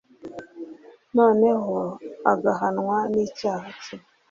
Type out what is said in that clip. noneho agahanwa n’icyaha cye